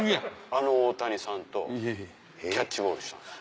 あの大谷さんとキャッチボールしたんです。